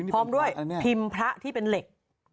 พร้อมด้วยพิมพ์พระที่เป็นเหล็ก